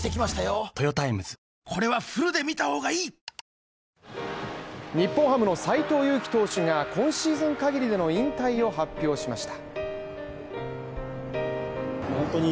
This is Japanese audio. ＪＴ日本ハムの斎藤佑樹投手が今シーズン限りでの引退を発表しました。